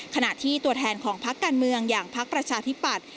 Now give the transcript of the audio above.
ขณะที่ตัวแทนของพักการเมืองอย่างพักประชาธิปัตย